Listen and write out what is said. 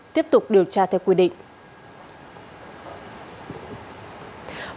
tiếp tục điều tra theo quy định